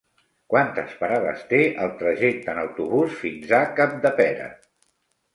Quantes parades té el trajecte en autobús fins a Capdepera?